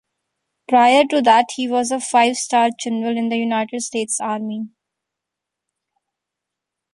Prior to that he was a five-star general in the United States Army.